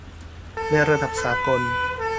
ในระดับสากล